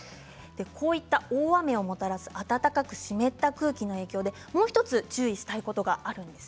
こういった大雨をもたらす暖かく湿った空気の影響でもう１つ注意したいことがあるんです。